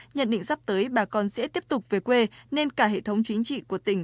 nhận định sắp tới bà con sẽ tiếp tục về quê nên cả hệ thống chính trị của tỉnh